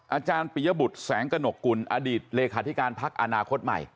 อาจารย์ปิยบุตรแสงกระหนกกุลอดีตเลขาธิการพักอนาคตใหม่